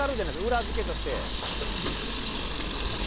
裏付けとして。